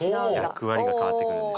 役割が変わってくるんです。